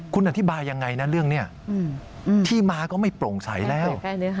คุณอธิบายยังไงนะเรื่องนี้ที่มาก็ไม่โปร่งใสแล้ว